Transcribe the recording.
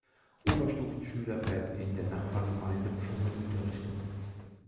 Oberstufenschüler werden in der Nachbargemeinde Pfungen unterrichtet.